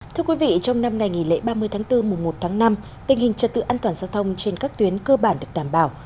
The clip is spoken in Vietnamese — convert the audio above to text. thưa quý vị trong năm ngày nghỉ lễ ba mươi tháng bốn mùa một tháng năm tình hình trật tự an toàn giao thông trên các tuyến cơ bản được đảm bảo